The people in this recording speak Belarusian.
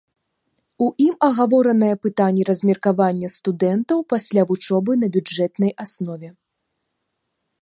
У ім агавораныя пытанні размеркавання студэнтаў пасля вучобы на бюджэтнай аснове.